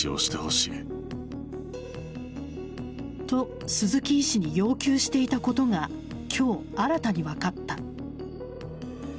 と、鈴木医師に要求していたことが今日新たに分かった。